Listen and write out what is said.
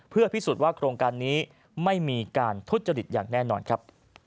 เพื่อพิสูจน์ว่าโครงการนี้ไม่มีการทุจริตอย่างแน่นอนครับ